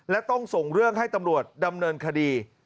และต้องส่งเรื่องให้ตำรวจดำเนินคดี